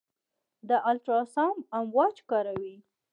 د الټراساونډ امواج کاروي.